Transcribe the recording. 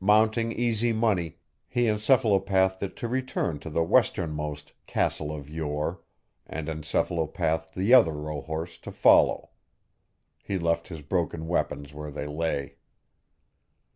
Mounting Easy Money, he encephalopathed it to return to the westernmost "castle of Yore" and encephalopathed the other rohorse to follow. He left his broken weapons where they lay.